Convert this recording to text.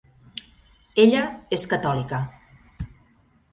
Ella és catòlica.